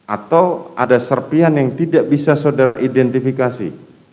atau ada serpian yang tidak bisa saudara identifikasi